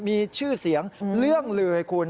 มีชื่อเสียงเรื่องลือคุณ